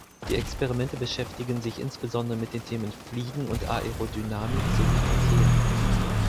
Die Experimente beschäftigen sich insbesondere mit den Themen Fliegen und Aerodynamik sowie Verkehr.